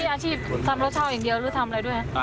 อาชีพทำรถเช่าอย่างเดียวหรือทำอะไรด้วย